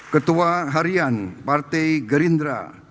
ketua harian partai gerindra